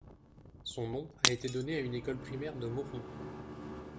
Son nom a été donné à une école primaire de Mauron.